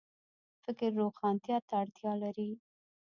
فکر روښانتیا ته اړتیا لري